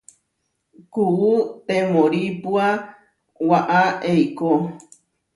Kuú temóripua waʼá eikó.